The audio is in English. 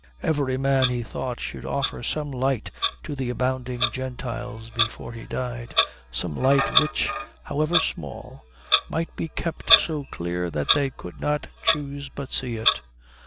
Every man, he thought, should offer some light to the abounding Gentiles before he died, some light which, however small, might be kept so clear that they could not choose but see it.